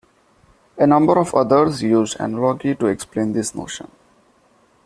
A number of others used analogy to explain this notion.